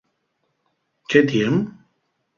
¿Qué tien?